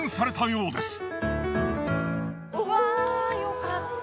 うわぁよかった。